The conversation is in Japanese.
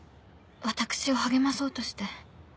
私を励まそうとして